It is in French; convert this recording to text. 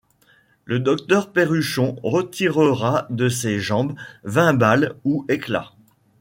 Le docteur Perruchot retirera de ses jambes vingt balles ou éclats.